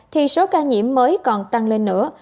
thì số ca nhiễm mới còn tăng lên nữa